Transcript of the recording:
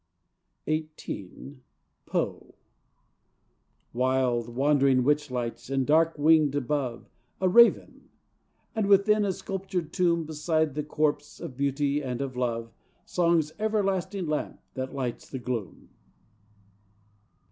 XVIII Poe Wild wandering witch lights and, dark wing'd above, A raven; and, within a sculptured tomb, Beside the corpse of Beauty and of Love, Song's everlasting lamp that lights the gloom.